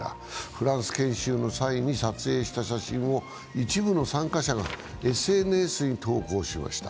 フランス研修の際に撮影した写真を一部の参加者がＳＮＳに投稿しました。